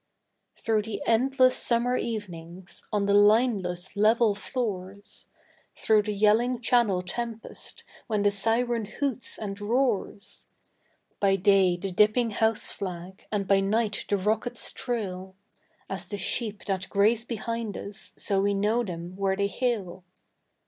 Through the endless summer evenings, on the lineless, level floors; Through the yelling Channel tempest when the syren hoots and roars By day the dipping house flag and by night the rocket's trail As the sheep that graze behind us so we know them where they hail.